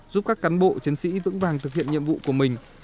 giúp các cán bộ chiến sĩ vững vàng thực hiện nhiệm vụ của mình